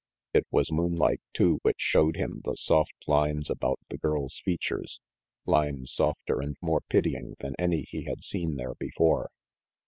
It was moonlight, too, which showed him the soft lines about the girl's features, lines softer and more pitying than any he had seen there before.